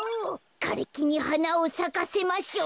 「かれきにはなをさかせましょう」。